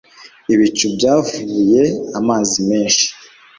Ibicu byavubuye amazi menshi